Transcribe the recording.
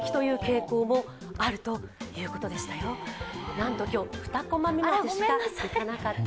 なんと今日、２コマ目までしかいかなかった。